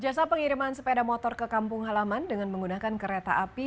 jasa pengiriman sepeda motor ke kampung halaman dengan menggunakan kereta api